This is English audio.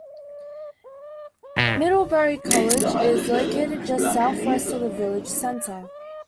Middlebury College is located just southwest of the village center.